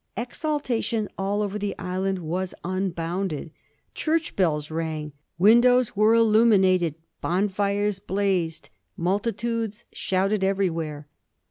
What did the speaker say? Exultation all over the island was unbounded. Church bells rang, windows were illumined, bonfires blazed, multitudes shouted everywhere.